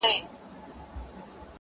دلته بل حکمت دادی چي هغوی يې پوه کړل.